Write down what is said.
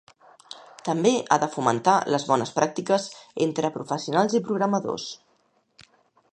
També ha de fomentar les bones pràctiques entre professionals i programadors.